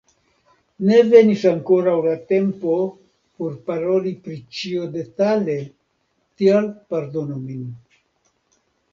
Ne venis ankoraŭ la tempo, por paroli pri ĉio detale, tial pardonu min.